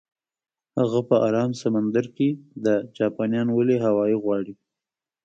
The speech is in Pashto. هغه په ارام سمندر کې ده، جاپانیان ولې هاوایي غواړي؟